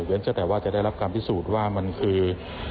อย่างนั้นเจ้าแต่ว่าจะได้รับความพิสูจน์ว่ามันคือ